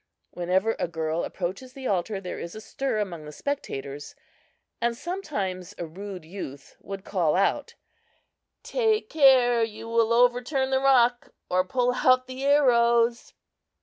Whenever a girl approaches the altar there is a stir among the spectators, and sometimes a rude youth would call out: "Take care! You will overturn the rock, or pull out the arrows!"